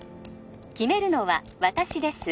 決めるのは私です